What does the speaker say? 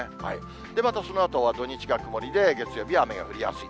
またそのあとは土日が曇りで、月曜日は雨が降りやすい。